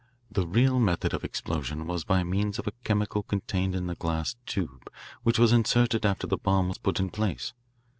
The real method of explosion was by means of a chemical contained in a glass tube which was inserted after the bomb was put in place.